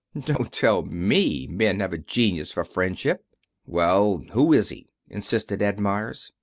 Don't tell me men have a genius for friendship." "Well, who is he?" insisted Ed Meyers.